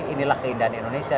inilah keindahan indonesia